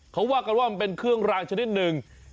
เขาว่าก็บอกว่าเป็นเครื่องรางชนิดนึง